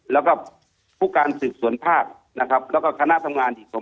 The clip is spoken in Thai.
แล้วก็ผู้การศึกษุนภาคแล้วก็คณะทำงาน๑๘๒๙คน